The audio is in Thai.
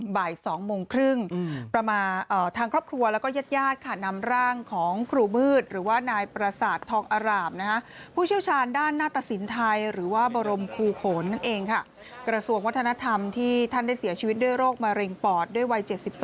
บ่าย๒โมงครึ่งประมาททางครอบครัวและเย็ดค่ะ